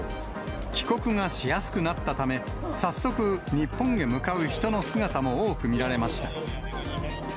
帰国がしやすくなったため、早速、日本へ向かう人の姿も多く見られました。